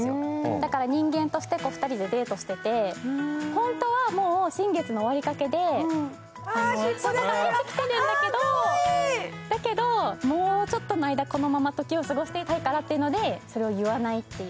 だから人間として２人でデートしてて、本当はもう新月の終わりかけで出てきているんだけどだけど、もうちょっとの間、このまま時を過ごしていたいからというのでそれを言わないっていう。